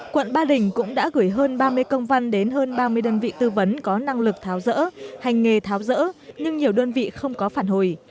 quận ba đình cũng đã gửi hơn ba mươi công văn đến hơn ba mươi đơn vị tư vấn có năng lực tháo rỡ hành nghề tháo rỡ nhưng nhiều đơn vị không có phản hồi